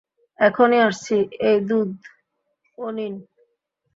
এখনই আসছি, এই দুধ ও নিন।